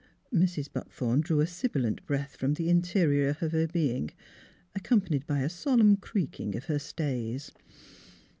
Mrs. Buckthorn drew a sibilant breath from the interior of her being, accompanied by a sol emn creaking of her stays.